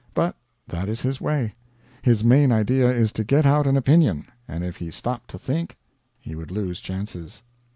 But that is his way; his main idea is to get out an opinion, and if he stopped to think he would lose chances.